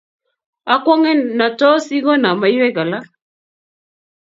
akwonge natos igona maywek alak